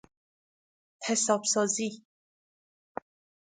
حساب سازی